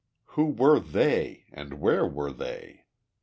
Who were "they" and where were they?